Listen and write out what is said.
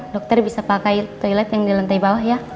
dokter bisa pakai toilet yang di lantai bawah ya